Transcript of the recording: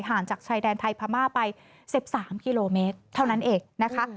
จากชายแดนไทยพม่าไป๑๓กิโลเมตรเท่านั้นเองนะคะ